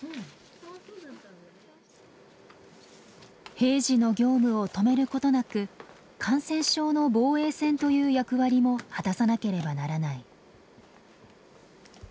平時の業務を止めることなく感染症の防衛線という役割も果たさなければならない。